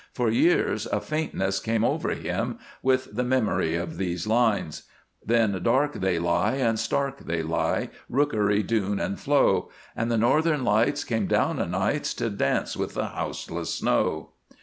For years a faintness came over him with the memory of these lines: Then dark they lie, and stark they lie, rookery, dune, and floe, And the Northern Lights came down o' nights to dance with the houseless snow.